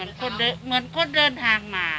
เหมือนคนเดินทางมา